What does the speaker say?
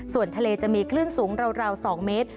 ส่วนทะเลจะมีคลื่นสูงราว๒เมตร